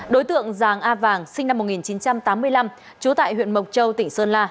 đối tượng giàng a vàng sinh năm một nghìn chín trăm tám mươi năm trú tại huyện mộc châu tỉnh sơn la